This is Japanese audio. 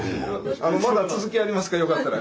あのまだ続きありますからよかったら。